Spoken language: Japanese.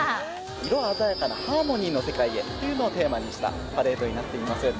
色鮮やかなハーモニーの世界へというのをテーマにしたパレードになってます。